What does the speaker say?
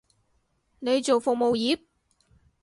你做服務業？